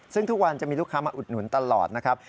ซึ่งทุกวันจะมีลูกค้ามาอุดหนุนตลอดนะครับ